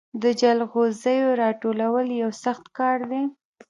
د جلغوزیو راټولول یو سخت کار دی.